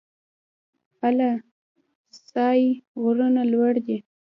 اله سای غرونه لوړ دي؟